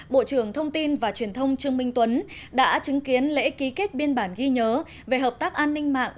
bộ trưởng thông tin và truyền thông trương minh tuấn đã chứng kiến lễ ký kết biên bản ghi nhớ về hợp tác an ninh mạng